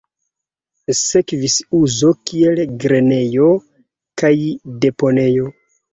Sekvis uzo kiel grenejo kaj deponejo.